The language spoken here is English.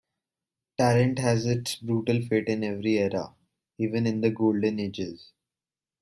Talent has its brutal fate in every era, even in the Golden Ages.